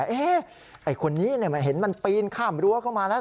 ไอ้คนนี้เห็นมันปีนข้ามรั้วเข้ามาแล้ว